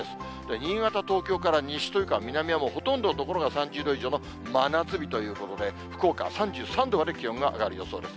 新潟、東京から西というか、南はほとんどの所が３０度以上の真夏日ということで、福岡は３３度まで気温が上がる予想です。